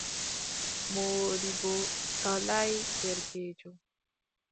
Moodibbo ɗalaay derkeejo.